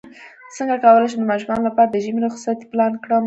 څنګه کولی شم د ماشومانو لپاره د ژمی رخصتۍ پلان کړم